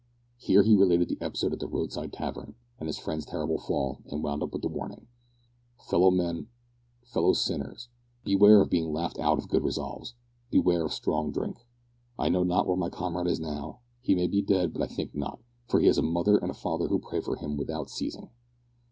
Here he related the episode at the road side tavern, and his friend's terrible fall, and wound up with the warning: "Fellow men, fellow sinners, beware of being laughed out of good resolves beware of strong drink. I know not where my comrade is now. He may be dead, but I think not, for he has a mother and father who pray for him without ceasing.